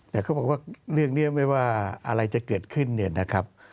แต่เขาบอกว่าเรื่องนี้ไม่ว่าอะไรจะเกิดขึ้นเนี่ยนะครับ